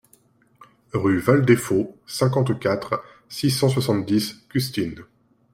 Rue Val des Faulx, cinquante-quatre, six cent soixante-dix Custines